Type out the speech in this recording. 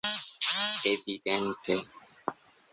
evidente